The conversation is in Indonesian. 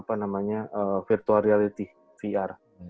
kedua sebenarnya adalah di virtual reality vr